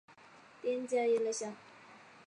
滇假夜来香